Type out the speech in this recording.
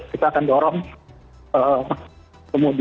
kita akan dorong ke modi